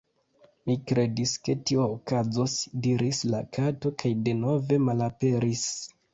"Mi kredis ke tio okazos," diris la Kato kaj denove malaperis.